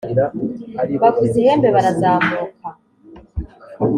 bavuza ihembe barazamuka